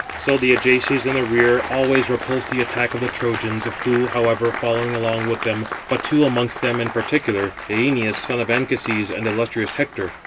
So the Ajaces in the rear always repulsed the attack of the Trojans, who, however, followed along with them; but two amongst them in particular, Æneas, son of Anchises, and illustrious Hector.